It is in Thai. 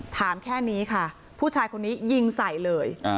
ถามแค่นี้ค่ะผู้ชายคนนี้ยิงใส่เลย